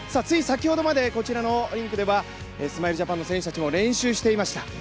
つい先ほどまでこちらのリンクではスマイルジャパンの選手たちも練習していました。